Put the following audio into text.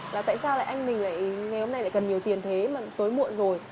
là tại sao anh mình ngày hôm nay lại cần nhiều tiền thế mà tối muộn rồi